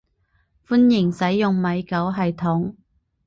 歡迎使用米狗系統